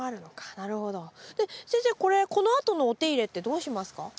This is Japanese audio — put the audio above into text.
先生これこのあとのお手入れってどうしますか？